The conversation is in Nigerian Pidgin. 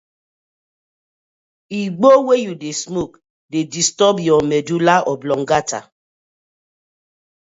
Igbo wey yu dey smoke dey disturb yah medulla oblongata.